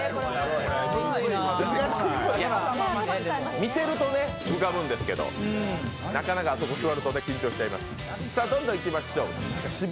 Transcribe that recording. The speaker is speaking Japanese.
見てると浮かぶんですけど、なかなかあそこ座ると緊張しちゃいます。